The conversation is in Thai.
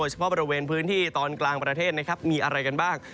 เฉพาะบริเวณพื้นที่ตอนกลางประเทศนะครับมีอะไรกันบ้าง